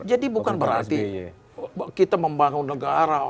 jadi bukan berarti kita membangun negara